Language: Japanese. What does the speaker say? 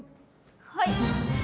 はい！